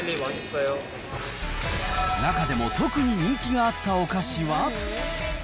中でも特に人気があったお菓子は。